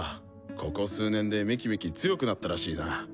ここ数年でめきめき強くなったらしいな。